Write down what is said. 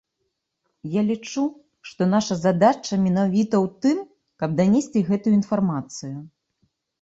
Я лічу, што наша задача менавіта ў тым, каб данесці гэтую інфармацыю.